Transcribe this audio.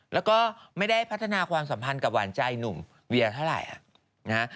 แล้วก็ไม่ได้พัฒนาความสัมพันธ์กับหวานใจหนุ่มเวียเท่าไหร่